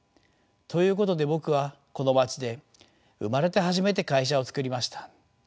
ということで僕はこの町で生まれて初めて会社を作りました。